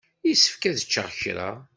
Yessefk ad ččeɣ kra.